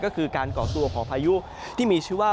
ก็คือการก่อตัวของพายุที่มีชื่อว่า